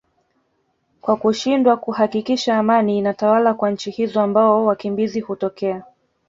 kwa kushindwa kuhakikisha amani inatawala kwa nchi hizo ambao wakimbizi hutokea